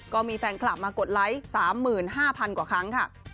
ก็มีแฟนคลับมากดไลค์๓๕๐๐๐กว่าครั้งค่ะ